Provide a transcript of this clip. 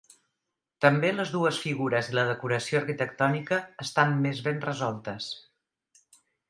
També les dues figures i la decoració arquitectònica estan més ben resoltes.